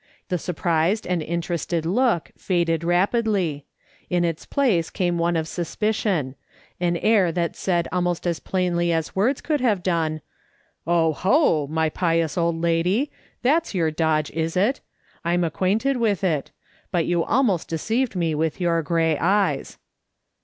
The surprised and interested look faded rapidly ; in its place came one of suspicion — an air that said almost as plainly as words could have done :" 0, ho ! my pious old lady, that's your dodge, is it ? I'm acquainted with it ; but you almost deceived me with your grey eyes."